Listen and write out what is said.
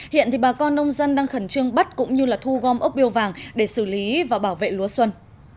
hiện thì bà con nông dân đang khẩn trương bắt cũng như thu gom ốc biêu vàng để xử lý và bảo vệ lúa xuân